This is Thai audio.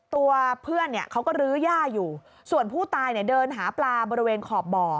ตัวเพื่อนเนี่ยเขาก็ลื้อย่าอยู่ส่วนผู้ตายเนี่ยเดินหาปลาบริเวณขอบบ่อ